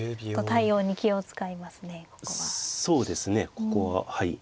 ここははい。